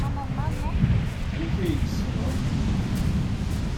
Amek ay t-tessned?